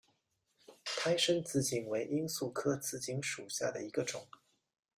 胎生紫堇为罂粟科紫堇属下的一个种。